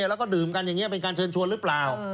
แล้วก็ดื่มกันอย่างนี้เป็นการเชิญชวนหรือเปล่า